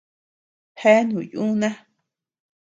Jeanu yuna.